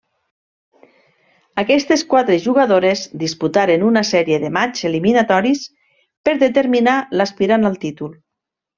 Aquestes quatre jugadores disputaren una sèrie de matxs eliminatoris per determinar l'aspirant al títol.